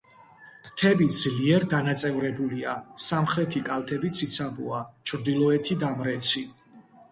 მთები ძლიერ დანაწევრებულია, სამხრეთი კალთები ციცაბოა, ჩრდილოეთი დამრეცი.